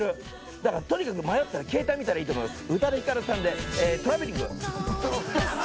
だからとにかく迷ったら携帯見たらいいと思います。